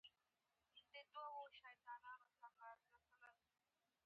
ترڅنګ یې مېز اییښی و، کټ ډېر پوس موس و.